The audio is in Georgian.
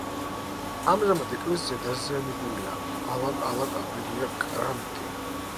ამჟამად ეკელსია დაზიანებულია: ალაგ-ალაგ აყრილია კრამიტი.